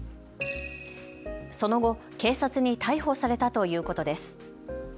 その後、警察に逮捕されたということです。